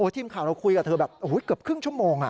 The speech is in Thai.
ทีมข่าวเราคุยกับเธอแบบเกือบครึ่งชั่วโมง